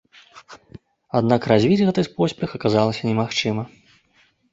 Аднак развіць гэты поспех аказалася немагчыма.